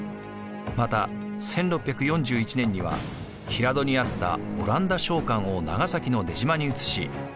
また１６４１年には平戸にあったオランダ商館を長崎の出島に移し